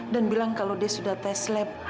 dan bilang kalau dia sudah tes lab